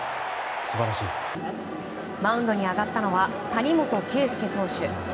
マウンドに上がったのは谷元圭介投手。